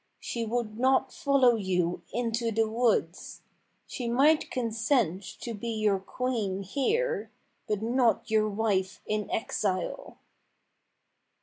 She would not fol low you into the woods. She might consent to be your queen here, but not your wife in exile."